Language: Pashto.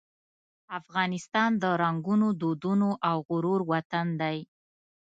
افغانستان د رنګونو، دودونو او غرور وطن دی.